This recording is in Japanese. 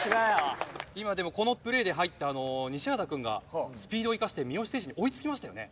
今でもこのプレーで入った西畑くんがスピードを生かして三好選手に追いつきましたよね。